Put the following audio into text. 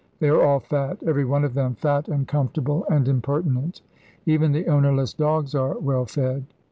They are all fat, every one of them fat and comfortable and impertinent; even the ownerless dogs are well fed.